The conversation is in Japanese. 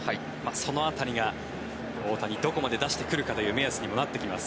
その辺りが大谷どこまで出してくるかという目安にもなってきます。